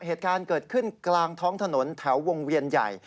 เหตุการณ์เกิดขึ้นกลางท้องถนนแถววงเวียนใหญ่